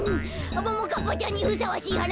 「ももかっぱちゃんにふさわしいはな」